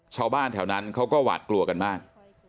ชาวบ้านแถวนั้นเขาก็หวาดกลัวกันมาก